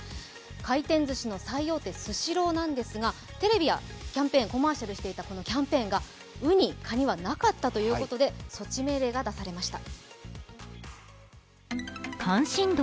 回転ずしチェーンの最大手スシローなんですがテレビでコマーシャルしていたこのキャンペーンがウニ、カニはなかったということで措置命令が出されました。